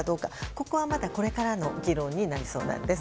ここはまだこれからの議論になりそうなんです。